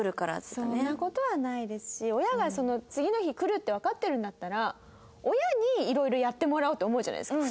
そんな事はないですし親が次の日来るってわかってるんだったら親にいろいろやってもらおうって思うじゃないですか。